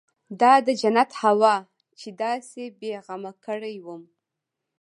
دا د جنت هوا چې داسې بې غمه کړى وم.